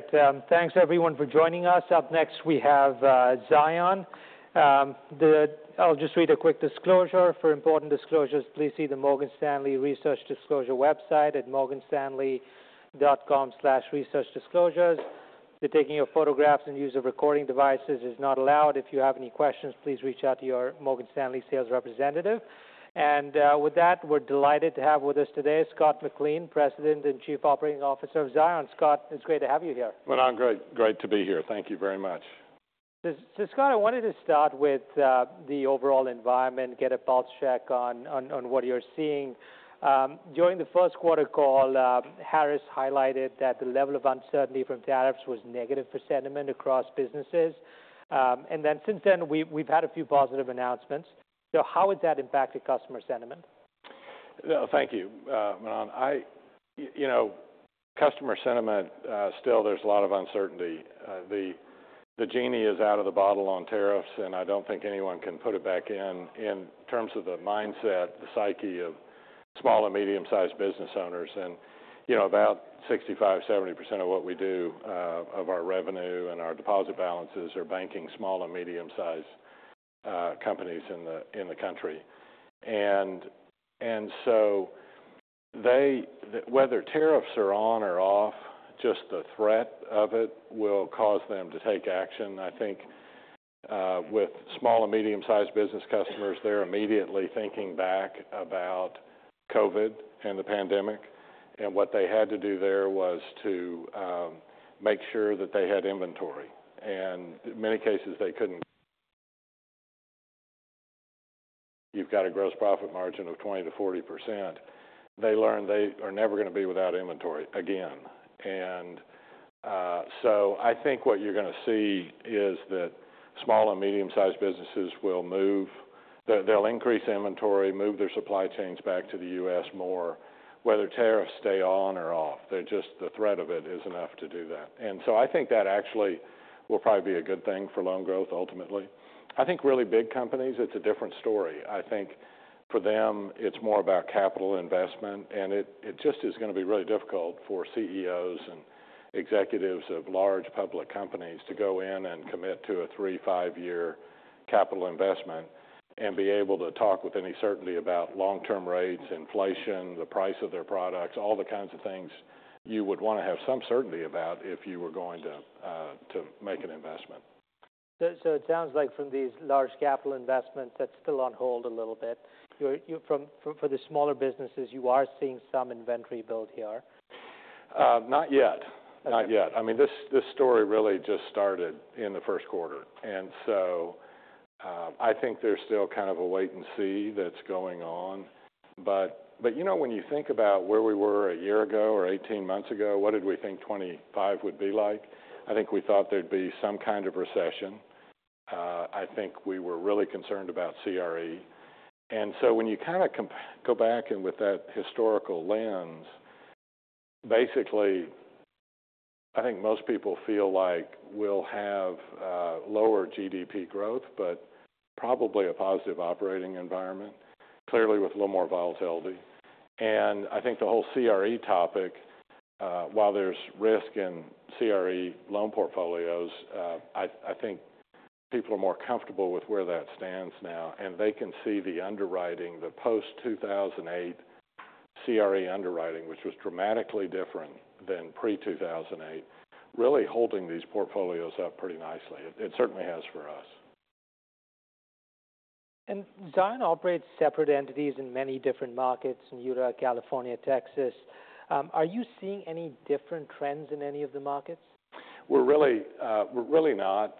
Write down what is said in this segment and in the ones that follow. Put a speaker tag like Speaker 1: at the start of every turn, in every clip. Speaker 1: Right, thanks everyone for joining us. Up next we have Zions. I'll just read a quick disclosure. For important disclosures, please see the Morgan Stanley Research Disclosure website at morganstanley.com/researchdisclosures. The taking of photographs and use of recording devices is not allowed. If you have any questions, please reach out to your Morgan Stanley sales representative. With that, we're delighted to have with us today Scott McLean, President and Chief Operating Officer of Zions. Scott, it's great to have you here.
Speaker 2: I'm great to be here. Thank you very much.
Speaker 1: Scott, I wanted to start with the overall environment, get a pulse check on what you're seeing. During the first quarter call, Harris highlighted that the level of uncertainty from tariffs was negative for sentiment across businesses. Since then, we've had a few positive announcements. How has that impacted customer sentiment?
Speaker 2: Thank you, Manan. I, you know, customer sentiment still, there's a lot of uncertainty. The genie is out of the bottle on tariffs, and I do not think anyone can put it back in, in terms of the mindset, the psyche of small and medium-sized business owners. You know, about 65-70% of what we do, of our revenue and our deposit balances, are banking small and medium-sized companies in the country. They, whether tariffs are on or off, just the threat of it will cause them to take action. I think with small and medium-sized business customers, they're immediately thinking back about COVID and the pandemic, and what they had to do there was to make sure that they had inventory. In many cases, they could not. You've got a gross profit margin of 20-40%. They learned they are never going to be without inventory again. I think what you're going to see is that small and medium-sized businesses will move, they'll increase inventory, move their supply chains back to the U.S. more, whether tariffs stay on or off. The threat of it is enough to do that. I think that actually will probably be a good thing for loan growth ultimately. I think really big companies, it's a different story. I think for them, it's more about capital investment, and it just is going to be really difficult for CEOs and executives of large public companies to go in and commit to a three, five-year capital investment and be able to talk with any certainty about long-term rates, inflation, the price of their products, all the kinds of things you would want to have some certainty about if you were going to make an investment.
Speaker 1: It sounds like from these large capital investments, that's still on hold a little bit. For the smaller businesses, you are seeing some inventory build here?
Speaker 2: Not yet. Not yet. I mean, this story really just started in the first quarter. I think there's still kind of a wait and see that's going on. You know, when you think about where we were a year ago or 18 months ago, what did we think 2025 would be like? I think we thought there'd be some kind of recession. I think we were really concerned about CRE. When you kind of go back and with that historical lens, basically, I think most people feel like we'll have lower GDP growth, but probably a positive operating environment, clearly with a little more volatility. I think the whole CRE topic, while there's risk in CRE loan portfolios, I think people are more comfortable with where that stands now, and they can see the underwriting, the post-2008 CRE underwriting, which was dramatically different than pre-2008, really holding these portfolios up pretty nicely. It certainly has for us.
Speaker 1: Zions operates separate entities in many different markets: Utah, California, Texas. Are you seeing any different trends in any of the markets?
Speaker 2: We're really not.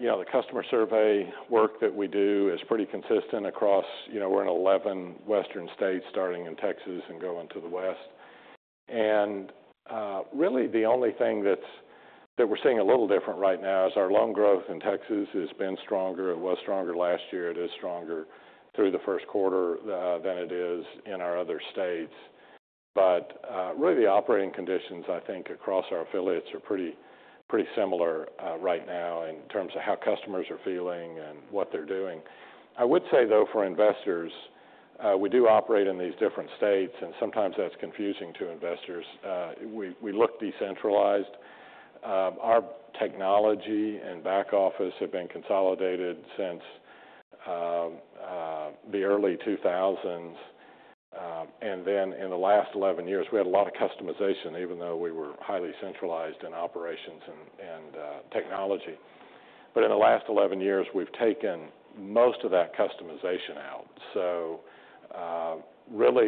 Speaker 2: You know, the customer survey work that we do is pretty consistent across, you know, we're in 11 western states starting in Texas and going to the west. Really the only thing that we're seeing a little different right now is our loan growth in Texas has been stronger. It was stronger last year. It is stronger through the first quarter than it is in our other states. Really the operating conditions, I think, across our affiliates are pretty similar right now in terms of how customers are feeling and what they're doing. I would say, though, for investors, we do operate in these different states, and sometimes that's confusing to investors. We look decentralized. Our technology and back office have been consolidated since the early 2000s. In the last 11 years, we had a lot of customization, even though we were highly centralized in operations and technology. In the last 11 years, we've taken most of that customization out.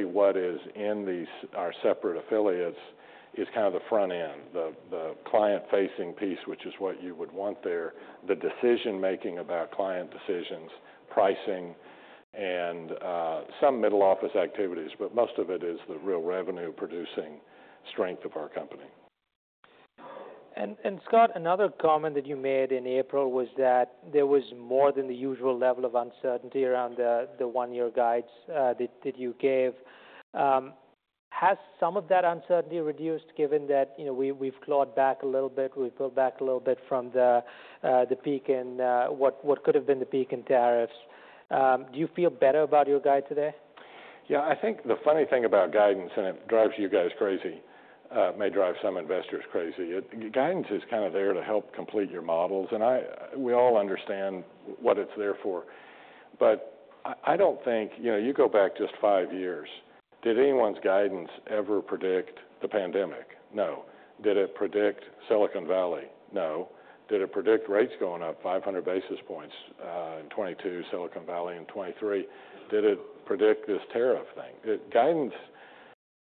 Speaker 2: What is in these, our separate affiliates, is kind of the front end, the client-facing piece, which is what you would want there, the decision-making about client decisions, pricing, and some middle office activities. Most of it is the real revenue-producing strength of our company.
Speaker 1: And Scott, another comment that you made in April was that there was more than the usual level of uncertainty around the one-year guides that you gave. Has some of that uncertainty reduced given that, you know, we've clawed back a little bit, we've pulled back a little bit from the peak in what could have been the peak in tariffs? Do you feel better about your guide today?
Speaker 2: Yeah, I think the funny thing about guidance, and it drives you guys crazy, may drive some investors crazy, guidance is kind of there to help complete your models. We all understand what it's there for. I don't think, you know, you go back just five years, did anyone's guidance ever predict the pandemic? No. Did it predict Silicon Valley? No. Did it predict rates going up 500 basis points in 2022, Silicon Valley in 2023? Did it predict this tariff thing? Guidance,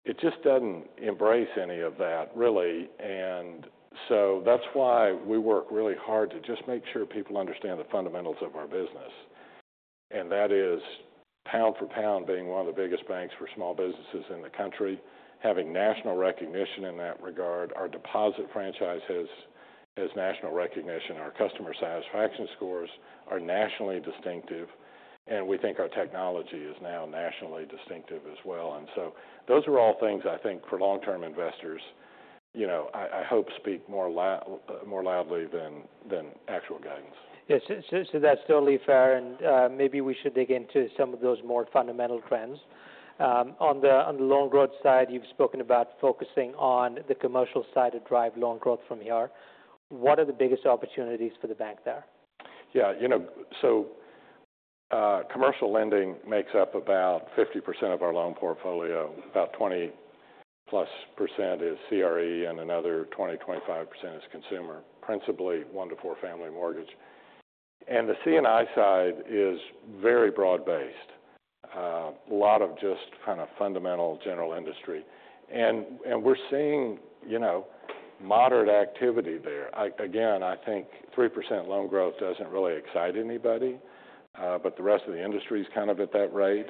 Speaker 2: it just doesn't embrace any of that, really. That is why we work really hard to just make sure people understand the fundamentals of our business. That is pound for pound being one of the biggest banks for small businesses in the country, having national recognition in that regard. Our deposit franchise has national recognition. Our customer satisfaction scores are nationally distinctive. We think our technology is now nationally distinctive as well. Those are all things I think for long-term investors, you know, I hope speak more loudly than actual guidance.
Speaker 1: Yeah, so that's totally fair. Maybe we should dig into some of those more fundamental trends. On the loan growth side, you've spoken about focusing on the commercial side to drive loan growth from here. What are the biggest opportunities for the bank there?
Speaker 2: Yeah, you know, commercial lending makes up about 50% of our loan portfolio. About 20% plus is CRE and another 20-25% is consumer, principally one to four family mortgage. The C&I side is very broad-based, a lot of just kind of fundamental general industry. We're seeing, you know, moderate activity there. Again, I think 3% loan growth doesn't really excite anybody, but the rest of the industry is kind of at that rate.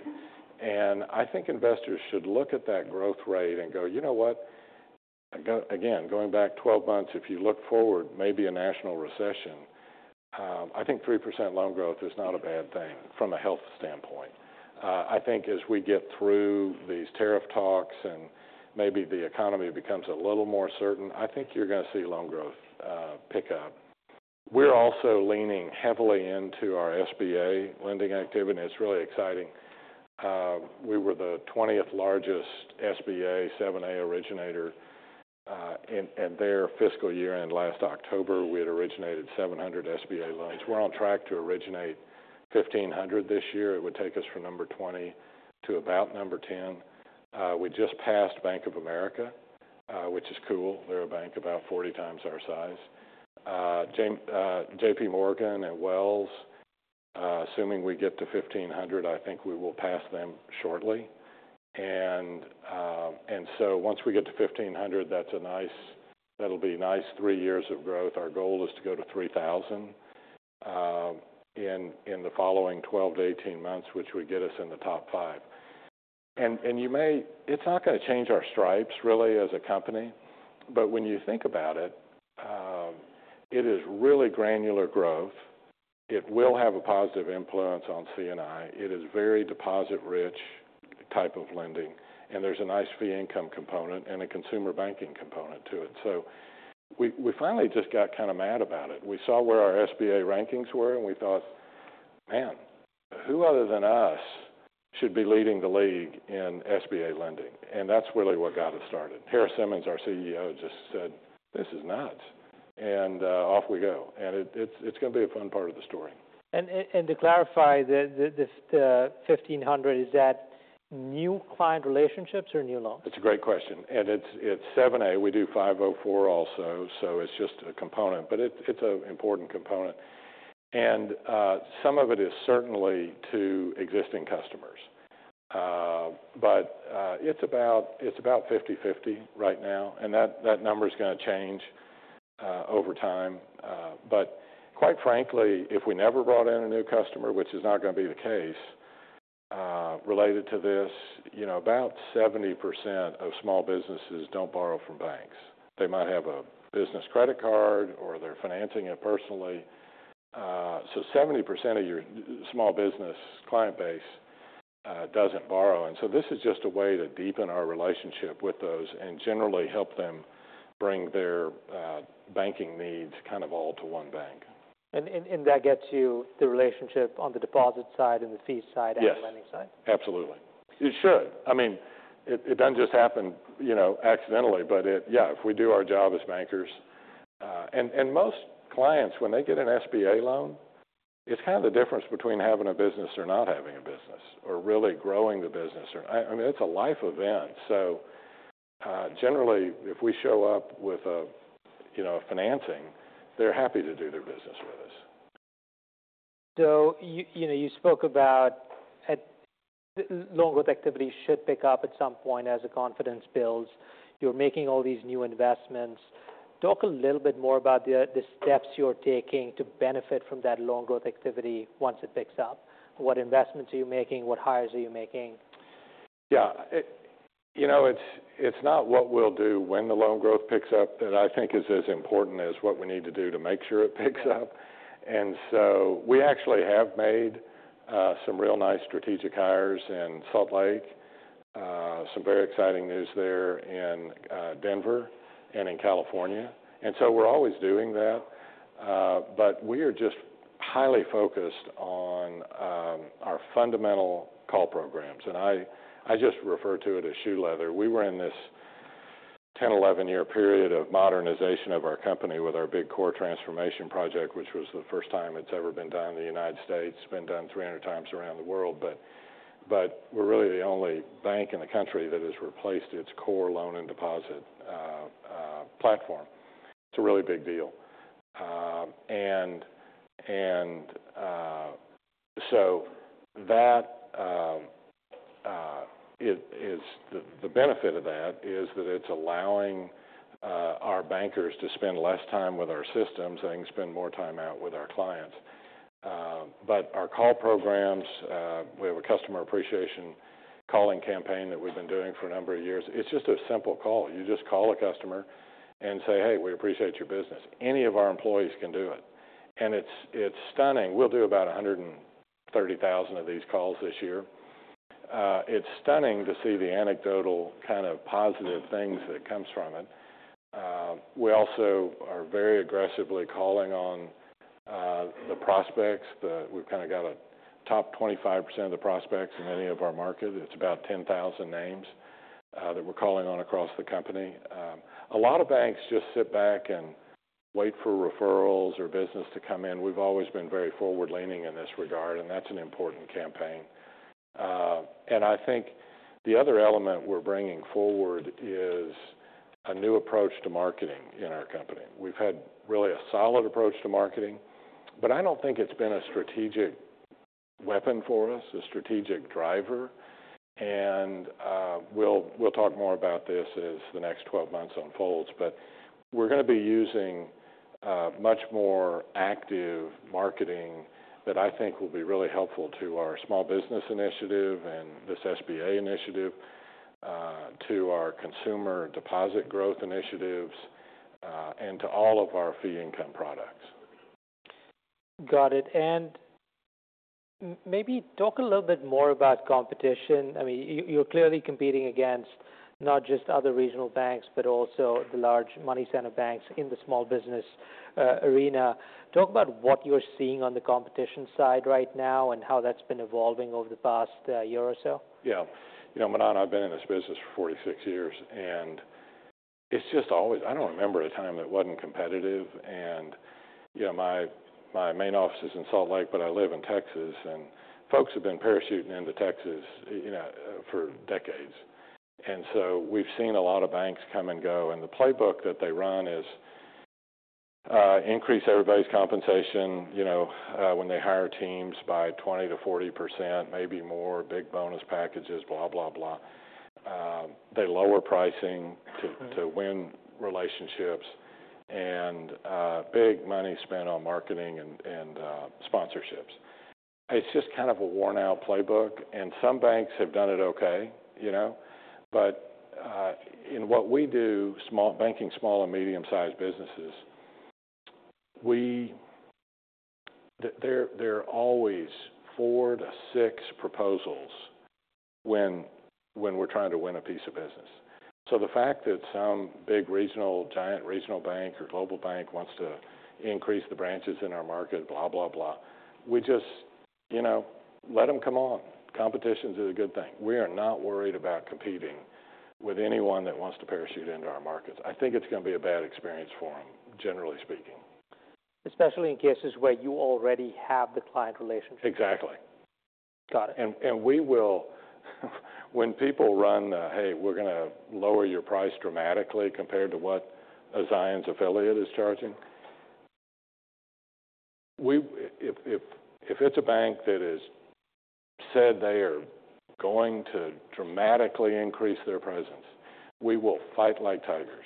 Speaker 2: I think investors should look at that growth rate and go, you know what, again, going back 12 months, if you look forward, maybe a national recession, I think 3% loan growth is not a bad thing from a health standpoint. I think as we get through these tariff talks and maybe the economy becomes a little more certain, I think you're going to see loan growth pick up. We're also leaning heavily into our SBA lending activity. It's really exciting. We were the 20th largest SBA 7A originator. In their fiscal year end last October, we had originated 700 SBA loans. We're on track to originate 1,500 this year. It would take us from number 20 to about number 10. We just passed Bank of America, which is cool. They're a bank about 40 times our size. JPMorgan and Wells, assuming we get to 1,500, I think we will pass them shortly. Once we get to 1,500, that's a nice, that'll be nice three years of growth. Our goal is to go to 3,000 in the following 12 to 18 months, which would get us in the top five. It is not going to change our stripes really as a company, but when you think about it, it is really granular growth. It will have a positive influence on C&I. It is very deposit-rich type of lending, and there is a nice fee income component and a consumer banking component to it. We finally just got kind of mad about it. We saw where our SBA rankings were, and we thought, man, who other than us should be leading the league in SBA lending? That is really what got us started. Harris Simmons, our CEO, just said, this is nuts. Off we go. It is going to be a fun part of the story.
Speaker 1: To clarify, the 1,500, is that new client relationships or new loans?
Speaker 2: It's a great question. And it's 7A. We do 504 also, so it's just a component, but it's an important component. And some of it is certainly to existing customers. But it's about 50/50 right now, and that number is going to change over time. But quite frankly, if we never brought in a new customer, which is not going to be the case related to this, you know, about 70% of small businesses don't borrow from banks. They might have a business credit card or they're financing it personally. So 70% of your small business client base doesn't borrow. And so this is just a way to deepen our relationship with those and generally help them bring their banking needs kind of all to one bank.
Speaker 1: That gets you the relationship on the deposit side and the fee side and the lending side?
Speaker 2: Yes, absolutely. It should. I mean, it doesn't just happen, you know, accidentally, but it, yeah, if we do our job as bankers. And most clients, when they get an SBA loan, it's kind of the difference between having a business or not having a business or really growing the business. I mean, it's a life event. Generally, if we show up with a, you know, financing, they're happy to do their business with us.
Speaker 1: You spoke about loan growth activity should pick up at some point as the confidence builds. You're making all these new investments. Talk a little bit more about the steps you're taking to benefit from that loan growth activity once it picks up. What investments are you making? What hires are you making?
Speaker 2: Yeah, you know, it's not what we'll do when the loan growth picks up that I think is as important as what we need to do to make sure it picks up. We actually have made some real nice strategic hires in Salt Lake, some very exciting news there in Denver and in California. We're always doing that. We are just highly focused on our fundamental call programs. I just refer to it as shoe leather. We were in this 10, 11-year period of modernization of our company with our big core transformation project, which was the first time it's ever been done in the United States. It's been done 300 times around the world. We're really the only bank in the country that has replaced its core loan and deposit platform. It's a really big deal. That is the benefit of that is that it's allowing our bankers to spend less time with our systems and spend more time out with our clients. Our call programs, we have a customer appreciation calling campaign that we've been doing for a number of years. It's just a simple call. You just call a customer and say, hey, we appreciate your business. Any of our employees can do it. It's stunning. We'll do about 130,000 of these calls this year. It's stunning to see the anecdotal kind of positive things that come from it. We also are very aggressively calling on the prospects. We've kind of got a top 25% of the prospects in any of our market. It's about 10,000 names that we're calling on across the company. A lot of banks just sit back and wait for referrals or business to come in. We've always been very forward-leaning in this regard, and that's an important campaign. I think the other element we're bringing forward is a new approach to marketing in our company. We've had really a solid approach to marketing, but I don't think it's been a strategic weapon for us, a strategic driver. We'll talk more about this as the next 12 months unfolds. We're going to be using much more active marketing that I think will be really helpful to our small business initiative and this SBA initiative, to our consumer deposit growth initiatives, and to all of our fee income products.
Speaker 1: Got it. Maybe talk a little bit more about competition. I mean, you're clearly competing against not just other regional banks, but also the large money center banks in the small business arena. Talk about what you're seeing on the competition side right now and how that's been evolving over the past year or so.
Speaker 2: Yeah, you know, Manan, I've been in this business for 46 years, and it's just always, I don't remember a time that wasn't competitive. You know, my main office is in Salt Lake, but I live in Texas, and folks have been parachuting into Texas, you know, for decades. We've seen a lot of banks come and go. The playbook that they run is increase everybody's compensation, you know, when they hire teams by 20-40%, maybe more, big bonus packages, blah, blah, blah. They lower pricing to win relationships and big money spent on marketing and sponsorships. It's just kind of a worn-out playbook. Some banks have done it okay, you know. In what we do, banking small and medium-sized businesses, there are always four to six proposals when we're trying to win a piece of business. The fact that some big regional, giant regional bank or global bank wants to increase the branches in our market, blah, blah, blah, we just, you know, let them come on. Competition is a good thing. We are not worried about competing with anyone that wants to parachute into our markets. I think it's going to be a bad experience for them, generally speaking.
Speaker 1: Especially in cases where you already have the client relationship.
Speaker 2: Exactly.
Speaker 1: Got it.
Speaker 2: We will, when people run, hey, we're going to lower your price dramatically compared to what a Zions affiliate is charging. If it's a bank that has said they are going to dramatically increase their presence, we will fight like tigers.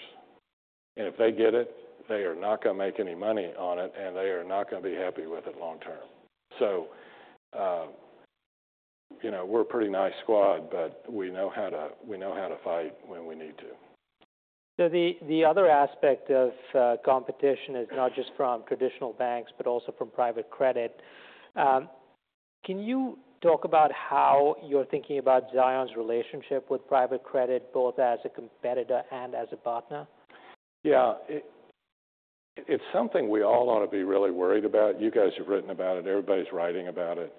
Speaker 2: If they get it, they are not going to make any money on it, and they are not going to be happy with it long term. You know, we're a pretty nice squad, but we know how to fight when we need to.
Speaker 1: The other aspect of competition is not just from traditional banks, but also from private credit. Can you talk about how you're thinking about Zions' relationship with private credit, both as a competitor and as a partner?
Speaker 2: Yeah, it's something we all ought to be really worried about. You guys have written about it. Everybody's writing about it.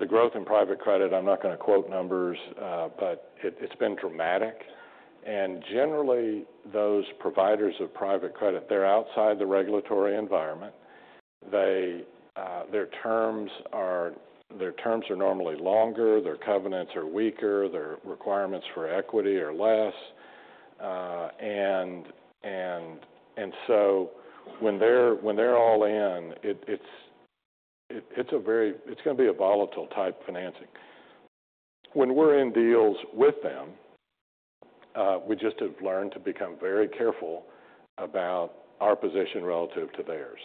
Speaker 2: The growth in private credit, I'm not going to quote numbers, but it's been dramatic. Generally, those providers of private credit, they're outside the regulatory environment. Their terms are normally longer. Their covenants are weaker. Their requirements for equity are less. When they're all in, it's a very, it's going to be a volatile type financing. When we're in deals with them, we just have learned to become very careful about our position relative to theirs.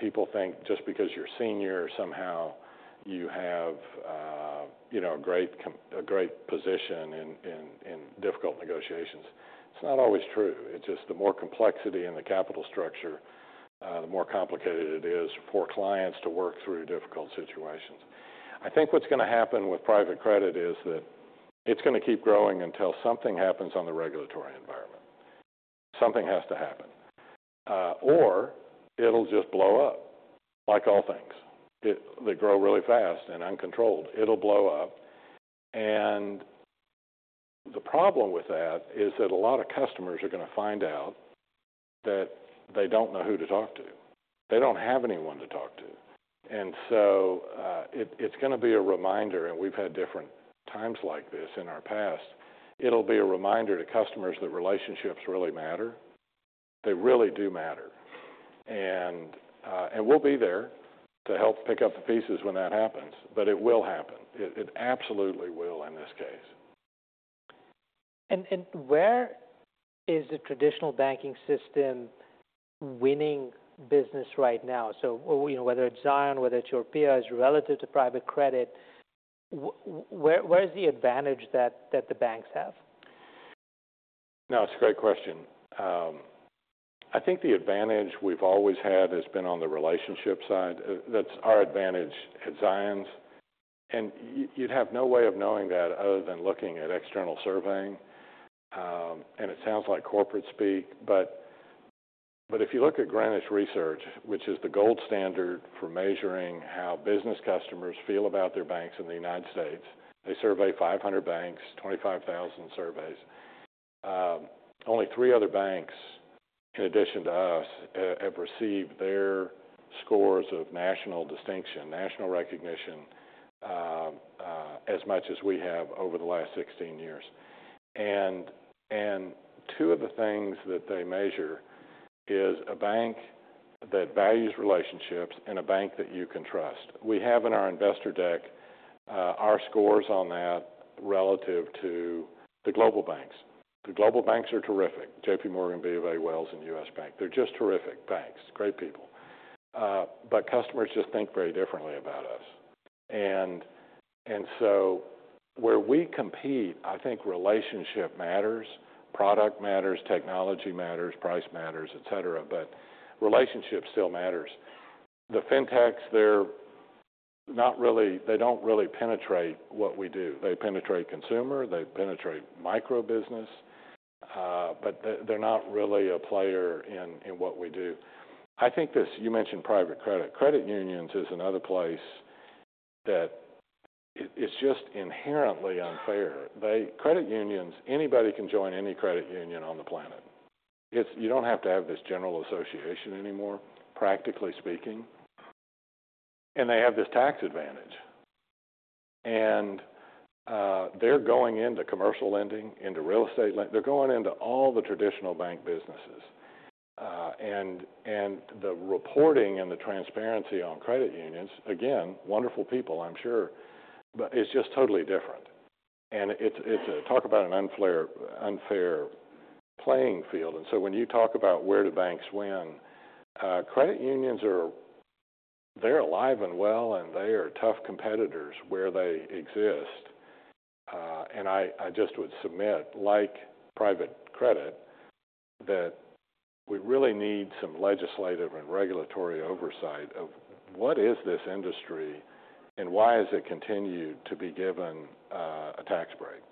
Speaker 2: People think just because you're senior, somehow you have, you know, a great position in difficult negotiations. It's not always true. The more complexity in the capital structure, the more complicated it is for clients to work through difficult situations. I think what's going to happen with private credit is that it's going to keep growing until something happens on the regulatory environment. Something has to happen. Or it'll just blow up, like all things that grow really fast and uncontrolled. It'll blow up. The problem with that is that a lot of customers are going to find out that they don't know who to talk to. They don't have anyone to talk to. It's going to be a reminder, and we've had different times like this in our past. It'll be a reminder to customers that relationships really matter. They really do matter. We'll be there to help pick up the pieces when that happens, but it will happen. It absolutely will in this case.
Speaker 1: Where is the traditional banking system winning business right now? Whether it's Zions, whether it's Europea, is relative to private credit, where is the advantage that the banks have?
Speaker 2: No, it's a great question. I think the advantage we've always had has been on the relationship side. That's our advantage at Zions. You'd have no way of knowing that other than looking at external surveying. It sounds like corporate speak, but if you look at Greenwich Research, which is the gold standard for measuring how business customers feel about their banks in the United States, they survey 500 banks, 25,000 surveys. Only three other banks, in addition to us, have received their scores of national distinction, national recognition, as much as we have over the last 16 years. Two of the things that they measure is a bank that values relationships and a bank that you can trust. We have in our investor deck our scores on that relative to the global banks. The global banks are terrific: JPMorgan, BofA, Wells, and U.S. Bank. They're just terrific banks, great people. Customers just think very differently about us. Where we compete, I think relationship matters, product matters, technology matters, price matters, et cetera, but relationship still matters. The fintechs, they're not really, they don't really penetrate what we do. They penetrate consumer. They penetrate micro business, but they're not really a player in what we do. I think this, you mentioned private credit. Credit unions is another place that it's just inherently unfair. Credit unions, anybody can join any credit union on the planet. You don't have to have this general association anymore, practically speaking. They have this tax advantage. They're going into commercial lending, into real estate lending. They're going into all the traditional bank businesses. The reporting and the transparency on credit unions, again, wonderful people, I'm sure, but it's just totally different. It is a, talk about an unfair playing field. When you talk about where do banks win, credit unions, they are alive and well, and they are tough competitors where they exist. I just would submit, like private credit, that we really need some legislative and regulatory oversight of what is this industry and why has it continued to be given a tax break.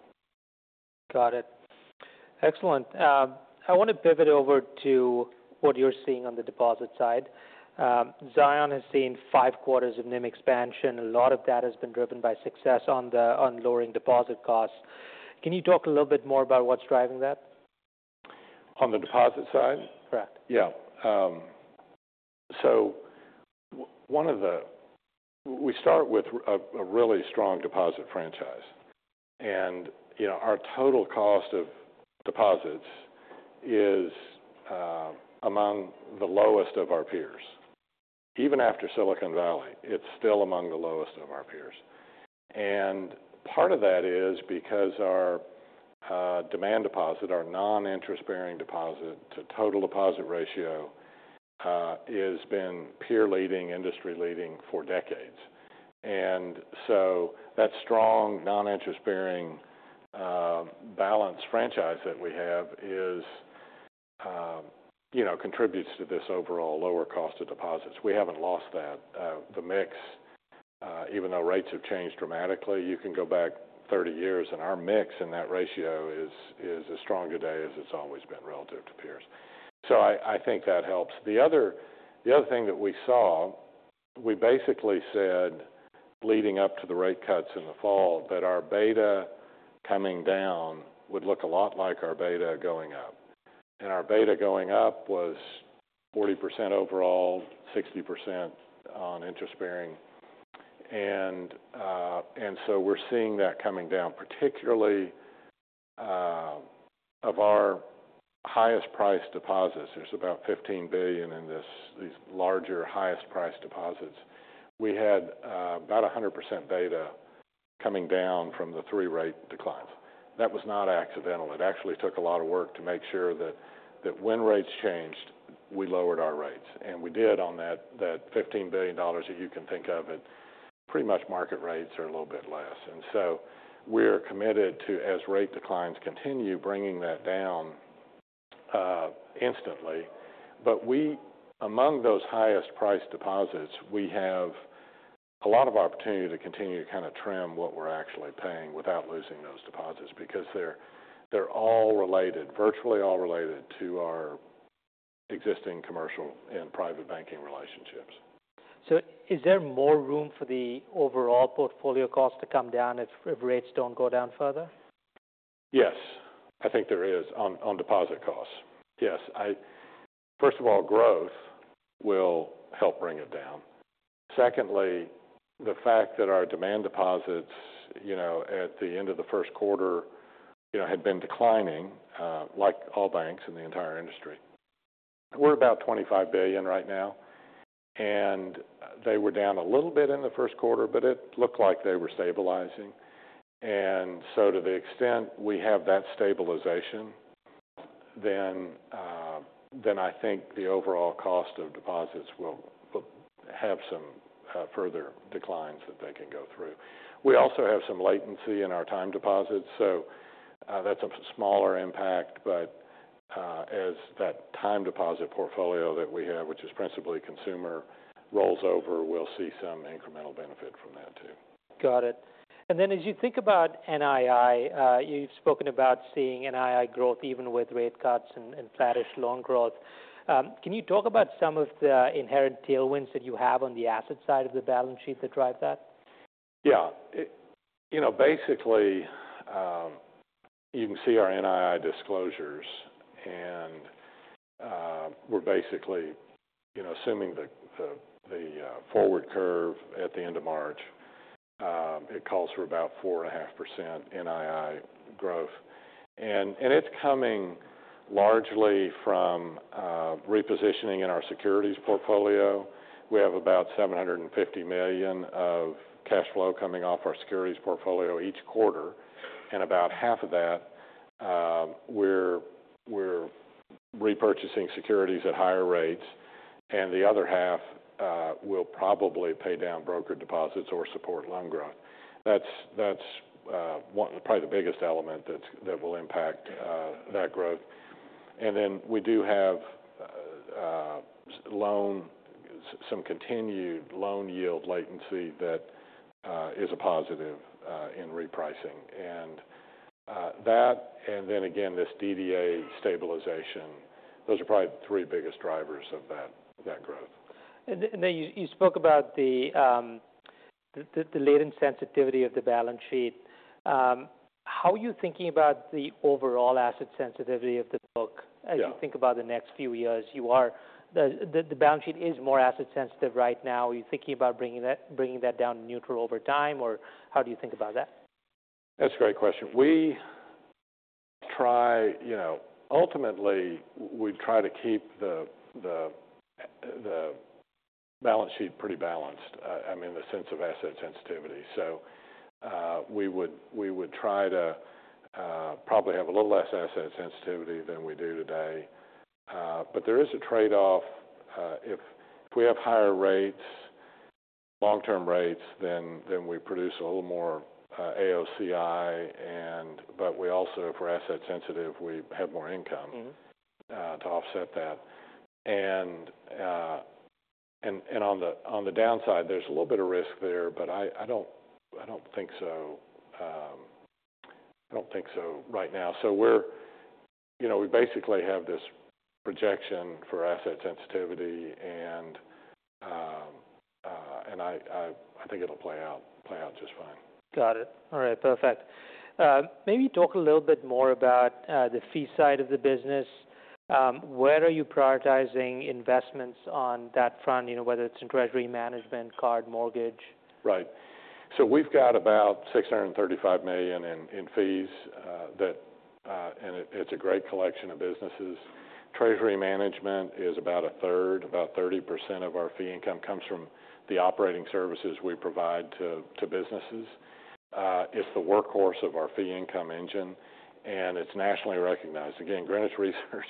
Speaker 1: Got it. Excellent. I want to pivot over to what you're seeing on the deposit side. Zions has seen five quarters of NIM expansion. A lot of that has been driven by success on lowering deposit costs. Can you talk a little bit more about what's driving that?
Speaker 2: On the deposit side?
Speaker 1: Correct.
Speaker 2: Yeah. One of the, we start with a really strong deposit franchise. And, you know, our total cost of deposits is among the lowest of our peers. Even after Silicon Valley, it is still among the lowest of our peers. Part of that is because our demand deposit, our non-interest-bearing deposit to total deposit ratio, has been peer-leading, industry-leading for decades. That strong non-interest-bearing balance franchise that we have is, you know, contributes to this overall lower cost of deposits. We have not lost that. The mix, even though rates have changed dramatically, you can go back 30 years, and our mix in that ratio is as strong today as it has always been relative to peers. I think that helps. The other thing that we saw, we basically said leading up to the rate cuts in the fall that our beta coming down would look a lot like our beta going up. Our beta going up was 40% overall, 60% on interest-bearing. We are seeing that coming down, particularly of our highest price deposits. There is about $15 billion in these larger, highest price deposits. We had about 100% beta coming down from the three rate declines. That was not accidental. It actually took a lot of work to make sure that when rates changed, we lowered our rates. We did on that $15 billion that you can think of, and pretty much market rates are a little bit less. We are committed to, as rate declines continue, bringing that down instantly. We, among those highest price deposits, we have a lot of opportunity to continue to kind of trim what we're actually paying without losing those deposits because they're all related, virtually all related to our existing commercial and private banking relationships.
Speaker 1: Is there more room for the overall portfolio cost to come down if rates do not go down further?
Speaker 2: Yes, I think there is on deposit costs. Yes. First of all, growth will help bring it down. Secondly, the fact that our demand deposits, you know, at the end of the first quarter, you know, had been declining, like all banks in the entire industry. We are about $25 billion right now. And they were down a little bit in the first quarter, but it looked like they were stabilizing. To the extent we have that stabilization, then I think the overall cost of deposits will have some further declines that they can go through. We also have some latency in our time deposits, so that is a smaller impact, but as that time deposit portfolio that we have, which is principally consumer, rolls over, we will see some incremental benefit from that too.
Speaker 1: Got it. As you think about NII, you've spoken about seeing NII growth even with rate cuts and flattish loan growth. Can you talk about some of the inherent tailwinds that you have on the asset side of the balance sheet that drive that?
Speaker 2: Yeah. You know, basically, you can see our NII disclosures, and we're basically, you know, assuming the forward curve at the end of March, it calls for about 4.5% NII growth. It's coming largely from repositioning in our securities portfolio. We have about $750 million of cash flow coming off our securities portfolio each quarter, and about half of that, we're repurchasing securities at higher rates, and the other half will probably pay down broker deposits or support loan growth. That's probably the biggest element that will impact that growth. We do have some continued loan yield latency that is a positive in repricing. That, and then again, this DDA stabilization, those are probably the three biggest drivers of that growth.
Speaker 1: You spoke about the latent sensitivity of the balance sheet. How are you thinking about the overall asset sensitivity of the book as you think about the next few years? The balance sheet is more asset sensitive right now. Are you thinking about bringing that down to neutral over time, or how do you think about that?
Speaker 2: That's a great question. We try, you know, ultimately we try to keep the balance sheet pretty balanced, I mean, in the sense of asset sensitivity. We would try to probably have a little less asset sensitivity than we do today. There is a trade-off. If we have higher rates, long-term rates, then we produce a little more AOCI, but we also, if we're asset sensitive, we have more income to offset that. On the downside, there's a little bit of risk there, but I don't think so. I don't think so right now. We basically have this projection for asset sensitivity, and I think it'll play out just fine.
Speaker 1: Got it. All right. Perfect. Maybe talk a little bit more about the fee side of the business. Where are you prioritizing investments on that front, you know, whether it's in treasury management, card, mortgage?
Speaker 2: Right. So we've got about $635 million in fees that, and it's a great collection of businesses. Treasury management is about a third, about 30% of our fee income comes from the operating services we provide to businesses. It's the workhorse of our fee income engine, and it's nationally recognized. Again, Greenwich Research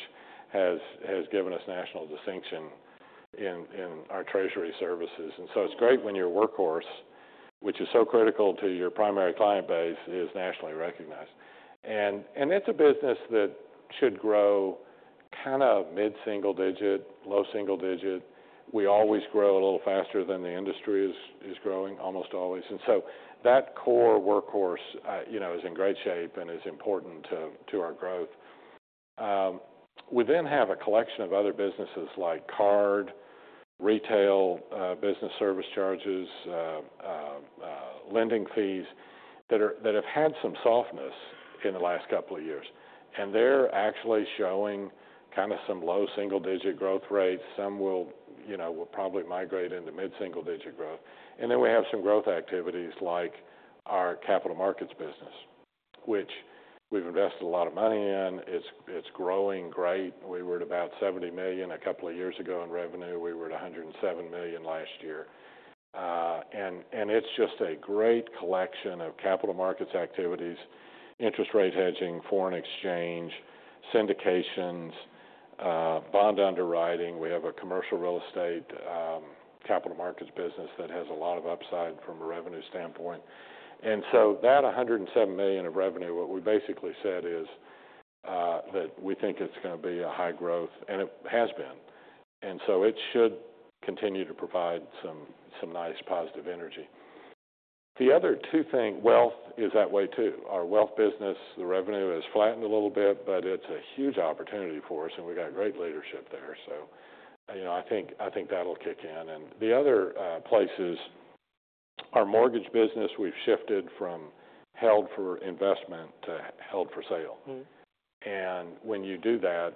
Speaker 2: has given us national distinction in our treasury services. It's great when your workhorse, which is so critical to your primary client base, is nationally recognized. It's a business that should grow kind of mid-single digit, low single digit. We always grow a little faster than the industry is growing, almost always. That core workhorse, you know, is in great shape and is important to our growth. We then have a collection of other businesses like card, retail business service charges, lending fees that have had some softness in the last couple of years. They are actually showing kind of some low single digit growth rates. Some will, you know, will probably migrate into mid-single digit growth. We have some growth activities like our capital markets business, which we have invested a lot of money in. It is growing great. We were at about $70 million a couple of years ago in revenue. We were at $107 million last year. It is just a great collection of capital markets activities, interest rate hedging, foreign exchange, syndications, bond underwriting. We have a commercial real estate capital markets business that has a lot of upside from a revenue standpoint. That $107 million of revenue, what we basically said is that we think it is going to be high growth, and it has been. It should continue to provide some nice positive energy. The other two things, wealth is that way too. Our wealth business, the revenue has flattened a little bit, but it is a huge opportunity for us, and we have got great leadership there. You know, I think that will kick in. The other place is our mortgage business. We have shifted from held for investment to held for sale. When you do that,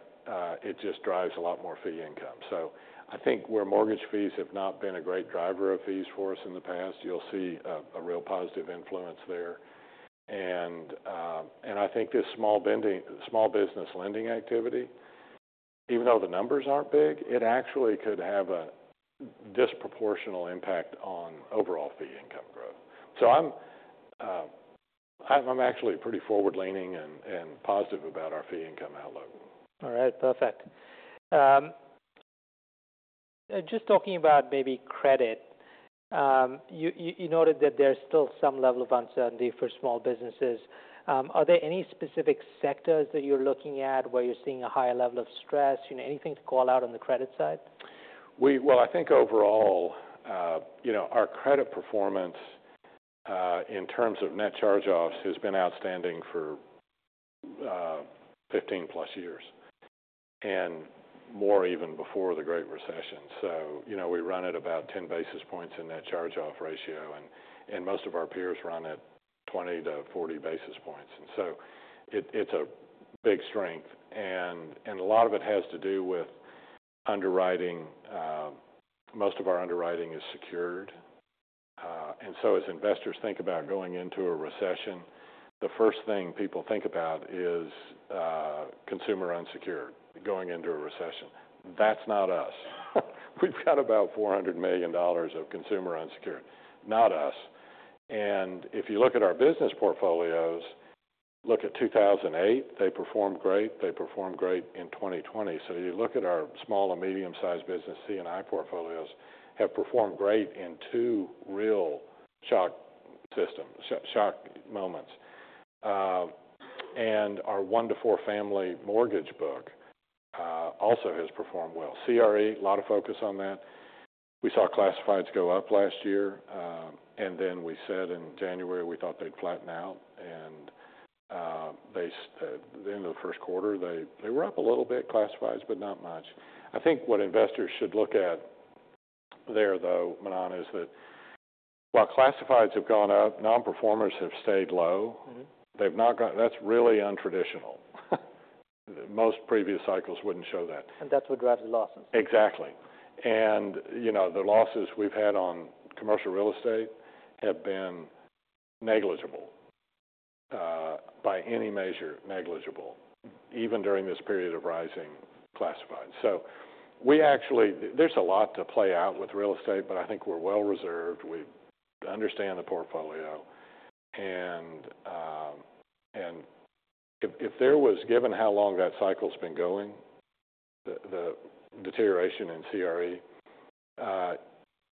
Speaker 2: it just drives a lot more fee income. I think where mortgage fees have not been a great driver of fees for us in the past, you will see a real positive influence there. I think this small business lending activity, even though the numbers aren't big, it actually could have a disproportional impact on overall fee income growth. I'm actually pretty forward-leaning and positive about our fee income outlook.
Speaker 1: All right. Perfect. Just talking about maybe credit, you noted that there's still some level of uncertainty for small businesses. Are there any specific sectors that you're looking at where you're seeing a higher level of stress? You know, anything to call out on the credit side?
Speaker 2: I think overall, you know, our credit performance in terms of net charge-offs has been outstanding for 15 plus years and more even before the Great Recession. You know, we run at about 10 basis points in net charge-off ratio, and most of our peers run at 20-40 basis points. It is a big strength. A lot of it has to do with underwriting. Most of our underwriting is secured. As investors think about going into a recession, the first thing people think about is consumer unsecured going into a recession. That is not us. We have got about $400 million of consumer unsecured. Not us. If you look at our business portfolios, look at 2008, they performed great. They performed great in 2020. You look at our small and medium-sized business, C&I portfolios have performed great in two real shock systems, shock moments. Our one to four family mortgage book also has performed well. CRE, a lot of focus on that. We saw classifieds go up last year. We said in January, we thought they'd flatten out. At the end of the first quarter, they were up a little bit, classifieds, but not much. I think what investors should look at there, though, Manon, is that while classifieds have gone up, non-performers have stayed low. They've not gone, that's really untraditional. Most previous cycles would not show that.
Speaker 1: That is what drives the losses.
Speaker 2: Exactly. You know, the losses we've had on commercial real estate have been negligible by any measure, negligible, even during this period of rising classifieds. We actually, there's a lot to play out with real estate, but I think we're well reserved. We understand the portfolio. If there was, given how long that cycle's been going, the deterioration in CRE,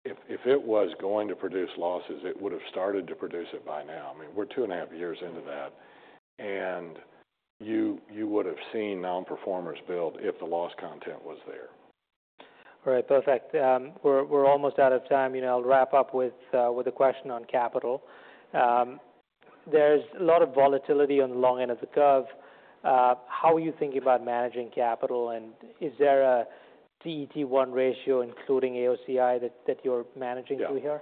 Speaker 2: if it was going to produce losses, it would have started to produce it by now. I mean, we're two and a half years into that. You would have seen non-performers build if the loss content was there.
Speaker 1: All right. Perfect. We're almost out of time. You know, I'll wrap up with a question on capital. There's a lot of volatility on the long end of the curve. How are you thinking about managing capital? Is there a CET1 ratio, including AOCI, that you're managing through here?
Speaker 2: Yeah.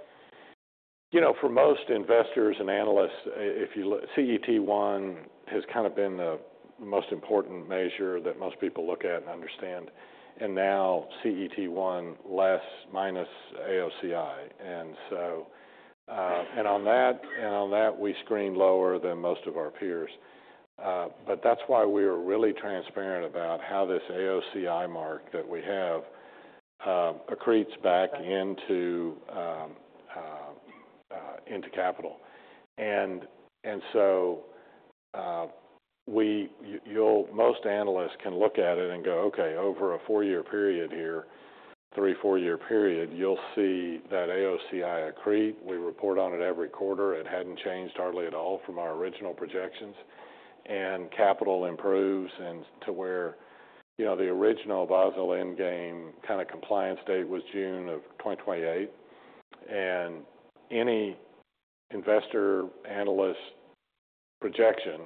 Speaker 2: You know, for most investors and analysts, CET1 has kind of been the most important measure that most people look at and understand. Now CET1, less, minus AOCI. On that, we screen lower than most of our peers. That is why we are really transparent about how this AOCI mark that we have accretes back into capital. You will, most analysts can look at it and go, okay, over a four-year period here, three, four-year period, you will see that AOCI accrete. We report on it every quarter. It had not changed hardly at all from our original projections. Capital improves to where, you know, the original Basel endgame kind of compliance date was June of 2028. Any investor analyst projection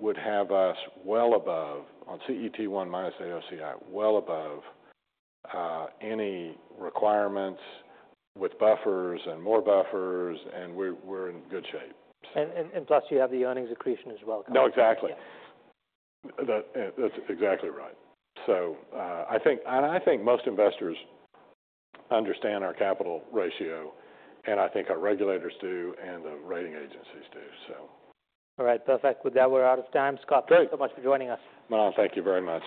Speaker 2: would have us well above, on CET1 minus AOCI, well above any requirements with buffers and more buffers, and we are in good shape.
Speaker 1: You have the earnings accretion as well.
Speaker 2: No, exactly. That's exactly right. I think, and I think most investors understand our capital ratio, and I think our regulators do and the rating agencies do, too.
Speaker 1: All right. Perfect. With that, we're out of time. Scott McLean, thank you so much for joining us.
Speaker 2: Manan, thank you very much.